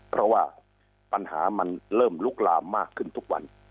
เพราะว่าปัญหามันเริ่มลุกลามมากขึ้นทุกวัน